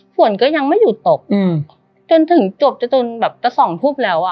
ฝวนก็ยังไม่หยุดตกจนถึงจบแต่๒ฝุ่บแล้ว